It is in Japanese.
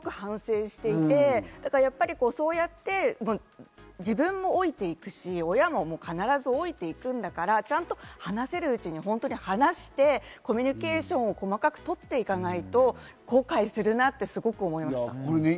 私、今日すごく反省していて、そうやって自分も老いていくし、親も必ず老いて行くんだから、ちゃんと話せるうちに話してコミュニケーションを細かくとっていかないと後悔するなってすごく思いました。